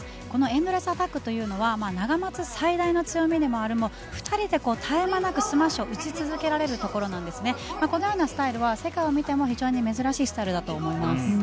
エンドレスアタックというのはナガマツ最大の強みである２人で絶え間なくスマッシュを打ち続けられるところでこのようなスタイルは世界を見ても非常に珍しいスタイルだと思います。